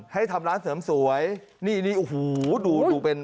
ให้ทำร้านเสริมสวยนี่นี่โอ้โหดูดูเป็น